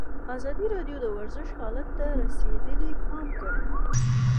ازادي راډیو د ورزش حالت ته رسېدلي پام کړی.